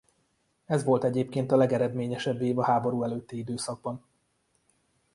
Ez volt egyébként a legeredményesebb év a háború előtti időszakban.